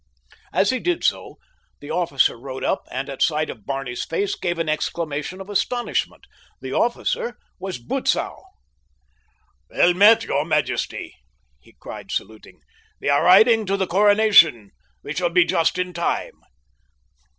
As he did so the officer rode up, and at sight of Barney's face gave an exclamation of astonishment. The officer was Butzow. "Well met, your majesty," he cried saluting. "We are riding to the coronation. We shall be just in time."